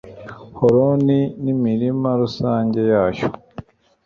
holoni n'imirima rusange yayo